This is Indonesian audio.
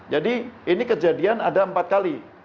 jadi ini kejadian ada empat kali